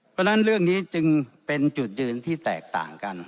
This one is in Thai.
เพราะฉะนั้นเรื่องนี้จึงเป็นจุดยืนที่แตกต่างกัน